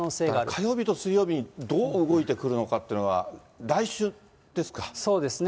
火曜日と水曜日に、どう動いてくるのかというのは、来週ですそうですね。